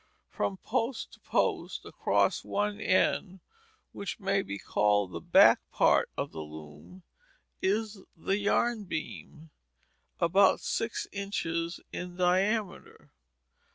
From post to post across one end, which may be called the back part of the loom, is the yarn beam, about six inches in diameter.